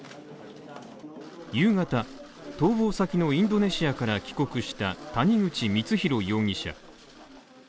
夕方、逃亡先のインドネシアから帰国した谷口光弘容疑者。